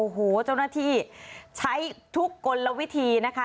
โอ้โหเจ้าหน้าที่ใช้ทุกกลวิธีนะคะ